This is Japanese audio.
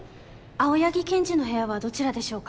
青柳検事の部屋はどちらでしょうか？